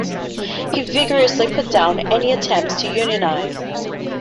He vigorously put down any attempts to unionize.